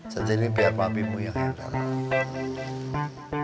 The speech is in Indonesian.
centini biar papimu yang hendak